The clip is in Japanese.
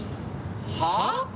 はあ！？